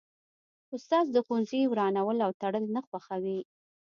اسلام د ښوونځي ورانول او تړل نه خوښوي